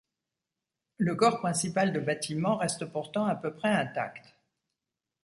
Le corps principal de bâtiment reste pourtant à peu près intact.